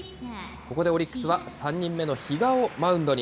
ここでオリックスは、３人目の比嘉をマウンドに。